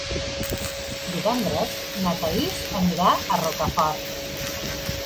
Divendres na Thaís anirà a Rocafort.